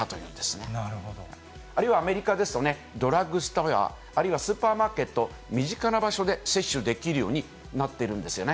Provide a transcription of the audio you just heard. あるいはアメリカですとね、ドラッグストア、あるいはスーパーマーケット、身近な場所で接種できるようになってるんですよね。